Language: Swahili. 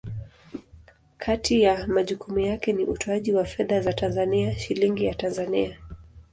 Kati ya majukumu yake ni utoaji wa fedha za Tanzania, Shilingi ya Tanzania.